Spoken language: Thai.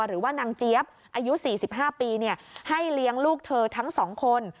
หรือว่านางเจี๊ยบอายุ๔๕ปีให้เลี้ยงลูกเธอทั้ง๒คน